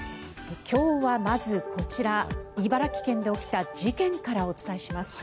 今日はまずこちら茨城県で起きた事件からお伝えします。